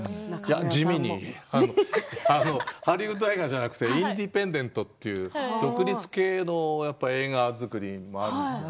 いや地味にハリウッド映画じゃなくてインディペンデントという独立系の映画作りもあるんです。